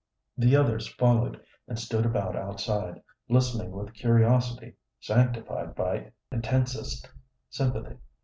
The others followed, and stood about outside, listening with curiosity sanctified by intensest sympathy.